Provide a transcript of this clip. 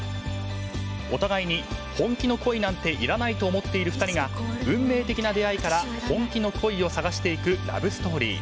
お互いに本気の恋なんていらないと思っている２人が運命的な出会いから本気の恋を探していくラブストーリー。